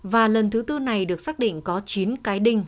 và lần thứ tư này được xác định có chín cái đinh